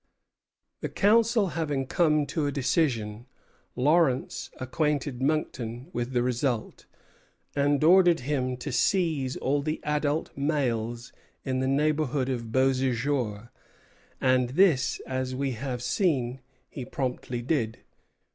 The Council having come to a decision, Lawrence acquainted Monckton with the result, and ordered him to seize all the adult males in the neighborhood of Beauséjour; and this, as we have seen, he promptly did.